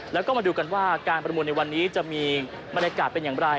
แล้วก็มาดูกันว่าการประมูลในวันนี้จะมีบรรยากาศเป็นอย่างไร